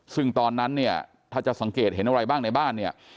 ซึ่งตอนนั้นเนี่ยถ้าจะสังเกตเห็นอะไรบ้างในบ้านเนี่ย